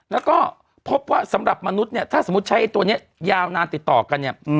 แล้วก็พบว่าสำหรับมนุษย์เนี่ยถ้าสมมุติใช้ตัวนี้ยาวนานติดต่อกันเนี่ย